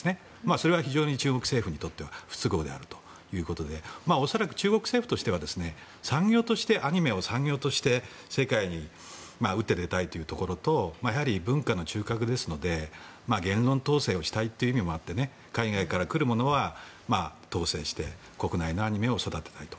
それは非常に中国政府にとっては不都合であるということで恐らく中国政府としてはアニメを産業として世界に打って出たいというところとやはり文化の中核ですので言論統制をしたいという意味もあって海外から来るものは統制して国内のアニメを育てたいと。